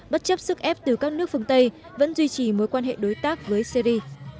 bất chấp sức ép từ các nước phương tây vẫn duy trì mối quan hệ đối tác với syri